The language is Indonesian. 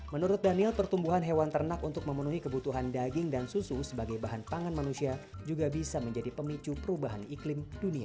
menurut daniel pertumbuhan hewan ternak untuk memenuhi kebutuhan daging dan susu sebagai bahan pangan manusia juga bisa menjadi pemicu perubahan iklim dunia